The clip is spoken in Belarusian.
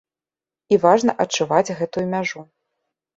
І важна адчуваць гэтую мяжу.